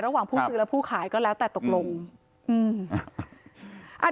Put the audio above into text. ผู้ซื้อและผู้ขายก็แล้วแต่ตกลงอืม